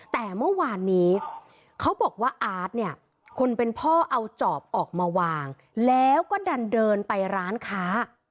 แต่เมื่อวานนี้เขาบอกว่าอาร์ตเนี่ยคนเป็นพ่อเอาจอบออกมาวางแล้วก็ดันเดินไปร้านค้า